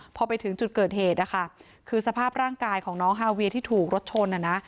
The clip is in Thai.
พอไปถึงจุดเกิดเหตุนะคะคือสภาพร่างกายของน้องฮาเวียที่ถูกรถชนอ่ะนะ